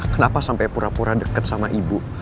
kenapa sampai pura pura deket sama ibu